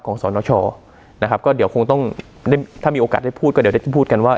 สนชนะครับก็เดี๋ยวคงต้องได้ถ้ามีโอกาสได้พูดก็เดี๋ยวได้พูดกันว่า